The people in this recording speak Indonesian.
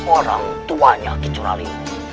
orang tuanya kicurali